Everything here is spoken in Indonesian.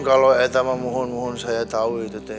kalau itu sama mohon mohon saya tahu itu teh